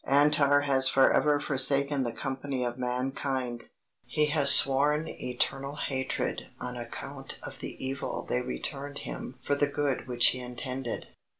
Antar has forever forsaken the company of mankind. He has sworn eternal hatred on account of the evil they returned him for the good which he intended.